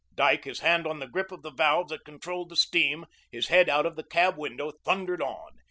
Dyke, his hand on the grip of the valve that controlled the steam, his head out of the cab window, thundered on.